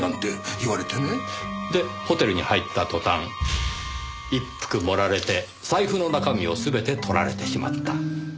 でホテルに入った途端一服盛られて財布の中身を全て盗られてしまった。